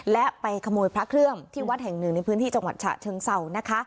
และไปขโมยพระเครื่องที่วัดแห่งหนึ่งในพื้นที่จังหวัดฉะเชิงเศร้านะคะ